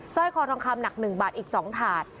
ร้อยคอทองคำหนัก๑บาทอีก๒ถาด